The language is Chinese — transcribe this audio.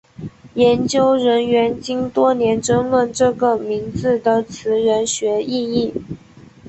研究人员经多年争论这个名字的词源学意义。